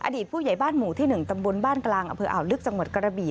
ผู้ใหญ่บ้านหมู่ที่๑ตำบลบ้านกลางอำเภออ่าวลึกจังหวัดกระบี่